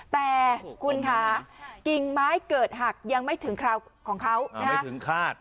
แต่คุณค่ะกิ่งไม้เกิดหักยังไม่ถึงคราวของเขาไม่ถึงคาด